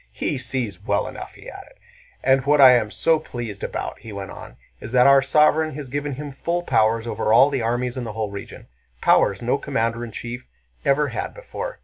"He sees well enough," he added. "And what I am so pleased about," he went on, "is that our sovereign has given him full powers over all the armies and the whole region—powers no commander in chief ever had before.